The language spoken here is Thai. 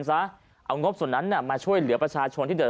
หน้าบริษัทเอางบส่วนนั้นและมาช่วยเหลือประชาชนที่เจ็ด